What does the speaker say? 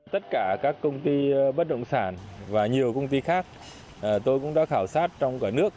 tất cả các công ty bất động sản và nhiều công ty khác tôi cũng đã khảo sát trong cả nước